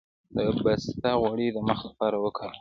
د پسته غوړي د مخ لپاره وکاروئ